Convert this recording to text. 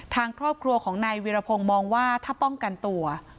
ทางครอบครัวของนายวิรพงศ์มองว่าถ้าป้องกันตัว